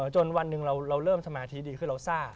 จนวันหนึ่งเราเริ่มสมาธิดีขึ้น